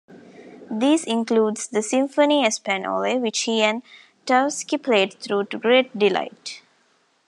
These included the "Symphonie espagnole", which he and Tchaikovsky played through to great delight.